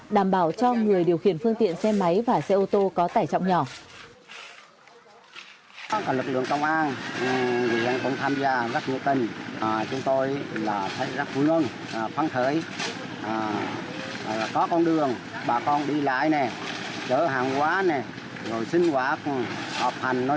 đảm bảo cho người điều khiển phương tiện xe máy và xe ô tô có tải trọng nhỏ